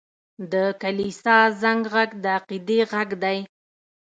د کلیسا زنګ ږغ د عقیدې غږ دی.